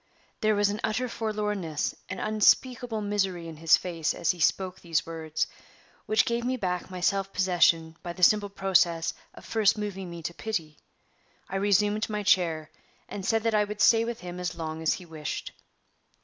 There was an utter forlornness, an unspeakable misery in his face as he spoke these words, which gave me back my self possession by the simple process of first moving me to pity. I resumed my chair, and said that I would stay with him as long as he wished.